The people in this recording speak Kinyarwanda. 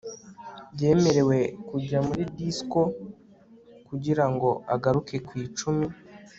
yemerewe kujya muri disco kugira ngo agaruke ku icumi